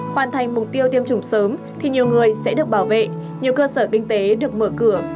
hoàn thành mục tiêu tiêm chủng sớm thì nhiều người sẽ được bảo vệ nhiều cơ sở kinh tế được mở cửa